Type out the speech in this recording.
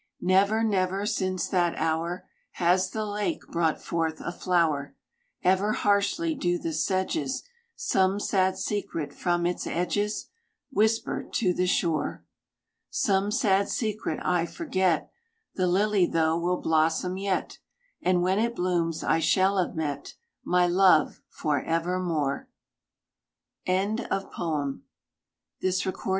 Never, never since that hour Has the lake brought forth a flower. Ever harshly do the sedges Some sad secret from its edges Whisper to the shore. Some sad secret I forget. The lily though will blossom yet: And when it blooms I shall have met My love for evermore. FROM FLEETING PLEASURES.